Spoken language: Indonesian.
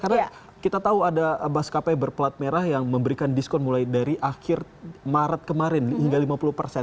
karena kita tahu ada bas kapai berplat merah yang memberikan diskon mulai dari akhir maret kemarin hingga lima puluh persen